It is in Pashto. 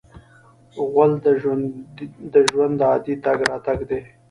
غول د ژوند عادي تګ راتګ دی.